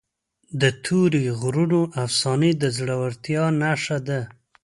د تورې غرونو افسانې د زړورتیا نښه ده.